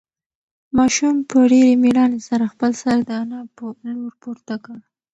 ماشوم په ډېرې مېړانې سره خپل سر د انا په لور پورته کړ.